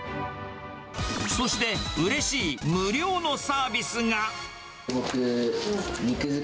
そして、うれしい無料のサービスが。